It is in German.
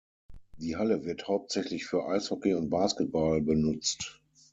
Die Halle wird hauptsächlich für Eishockey und Basketball benutzt.